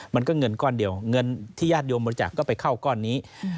มันก็เงินก้อนเดียวเงินที่ญาติโยมบริจาคก็ไปเข้าก้อนนี้